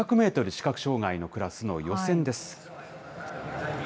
視覚障害のクラスの予選です。